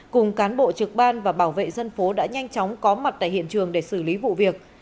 cùng cán bộ trực ban và bảo vệ dân phố đã nhanh chóng có mặt tại hiện trường để xử lý vụ việc